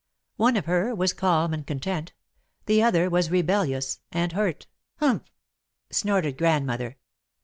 One of her was calm and content, the other was rebellious and hurt. "Humph!" snorted Grandmother.